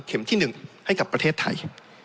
ที่๑ให้กับประเทศไทย